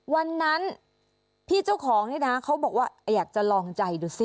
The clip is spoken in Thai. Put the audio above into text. วันนั้นพี่เจ้าของนี่นะเขาบอกว่าอยากจะลองใจดูสิ